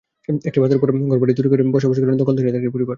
একটি বাঁধের ওপর ঘরবাড়ি তৈরি করে বসবাসও করছে দখলকারীদের একটি পরিবার।